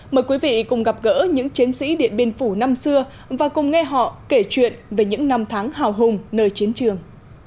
mời quý vị cùng gặp gỡ những chiến sĩ điện biên phủ năm xưa và cùng nghe họ kể chuyện về những năm tháng hào hùng nơi chiến trường